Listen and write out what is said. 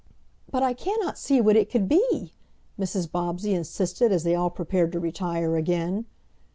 "But I cannot see what it could be!" Mrs. Bobbsey insisted, as they all prepared to retire again.